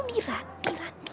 tidak anderena pun